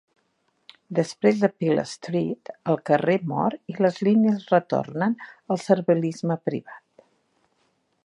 Després de Pearl Street, el carrer mor i les línies retornen al servilisme privat.